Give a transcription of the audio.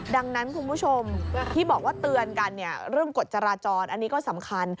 ดังนั้นคุณผู้ชมที่บอกว่าเตือนกันเนี่ยเรื่องกฎจราจรอันนี้ก็สำคัญ